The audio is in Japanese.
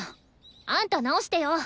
あんた直してよ。